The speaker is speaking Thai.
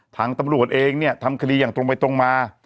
ทางตำรวจเองเนี่ยทำคดีอย่างตรงไปตรงมา